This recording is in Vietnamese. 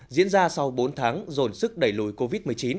diễn ra sau bốn tháng dồn sức đẩy lùi covid một mươi chín